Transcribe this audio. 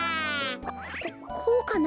ここうかな。